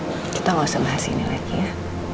sudah ma kita gak usah bahas ini lagi ya